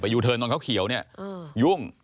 ยูเทิร์นตอนเขาเขียวเนี่ยยุ่ง